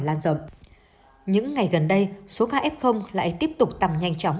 lan rộng những ngày gần đây số ca f lại tiếp tục tăng nhanh chóng